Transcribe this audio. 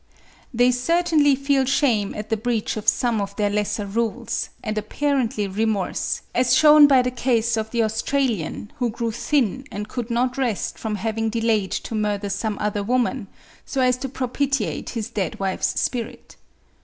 They certainly feel shame at the breach of some of their lesser rules, and apparently remorse, as shewn by the case of the Australian who grew thin and could not rest from having delayed to murder some other woman, so as to propitiate his dead wife's spirit.